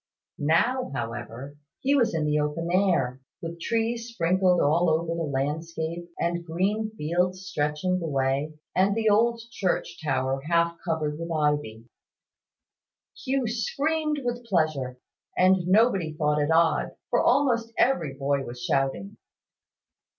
Now, however, he was in the open air, with trees sprinkled all over the landscape, and green fields stretching away, and the old church tower half covered with ivy. Hugh screamed with pleasure; and nobody thought it odd, for almost every boy was shouting.